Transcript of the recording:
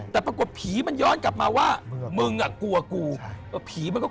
แต่รู้สึกว่าผีก็ย้อนกลับมาว่ามึงก็กลัวกู